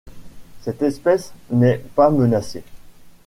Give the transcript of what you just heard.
Cette espèce n'est pas menacée.